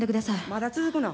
まだ続くの？